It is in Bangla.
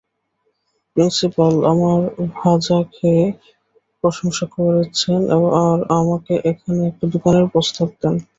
প্রিন্সিপাল আমার ভাজা খেয়ে প্রশংসা করছেন আর আমাকে এখানে একটা দোকানের প্রস্তাব দেন।